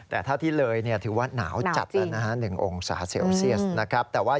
แต่ถ้าที่เลยเนี่ยถือว่าหนาวจัดนะ๑องศาเซลเซียสนะครับ